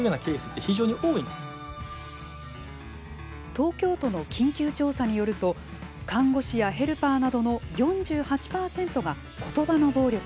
東京都の緊急調査によると看護師やヘルパーなどの４８％が言葉の暴力を。